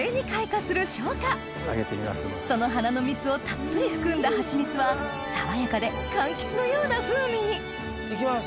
その花の蜜をたっぷり含んだハチミツは爽やかで柑橘のような風味にいきます。